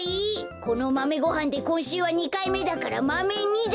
このマメごはんでこんしゅうは２かいめだからマメ２だ！